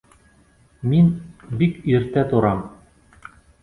Мин бик иртә торам